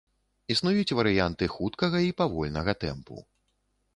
Існуюць варыянты хуткага і павольнага тэмпу.